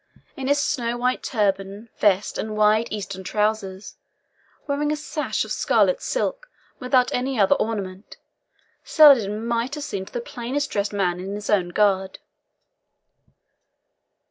In his snow white turban, vest, and wide Eastern trousers, wearing a sash of scarlet silk, without any other ornament, Saladin might have seemed the plainest dressed man in his own guard.